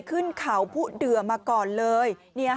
ขึ้นเขาผู้เดือมาก่อนเลย